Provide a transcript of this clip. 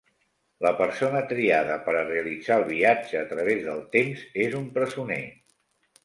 La persona triada per a realitzar el viatge a través del temps és un presoner.